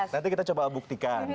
nanti kita coba buktikan